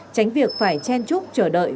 tránh việc phải chen trúc chờ đợi